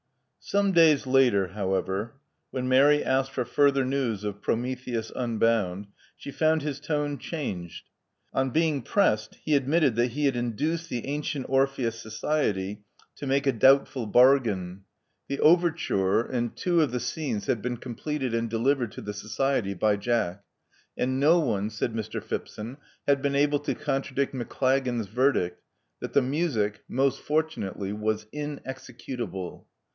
Some days later, however, when Mary asked for further news of Prometheus Unbound," she found his tone changed. On being pressed he admitted that he had induced the Antient Orpheus Society to make Love Among the Artists 271 a doubtful bargain. The overture and two of the scenes had been completed and delivered to the society by Jack; and no one, said Mr. Phipson, had been able to contradict Maclagan's verdict that the music, most fortunately, was inexecutable."